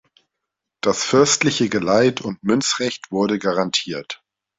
Das fürstliche Geleit- und Münzrecht wurde garantiert.